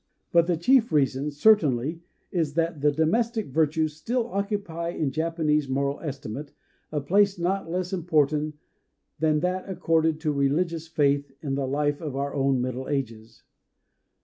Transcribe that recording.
But the chief reason certainly is that the domestic virtues still occupy in Japanese moral estimate a place not less important than that accorded to religious faith in the life of our own Middle Ages.